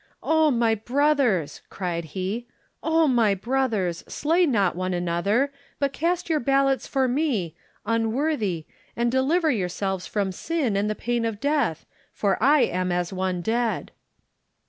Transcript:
"Oh, my brothers!" cried he. "Oh, my brothers, slay not one another, but cast your ballots for me, unworthy, and deliver your selves from sin and the pain of death, for I am as one dead."